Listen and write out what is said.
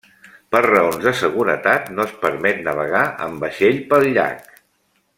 Per raons de seguretat, no es permet navegar amb vaixell pel llac.